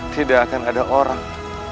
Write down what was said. tidak akan ada orang